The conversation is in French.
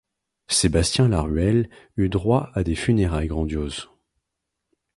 Sébastien Laruelle eut droit à des funérailles grandioses.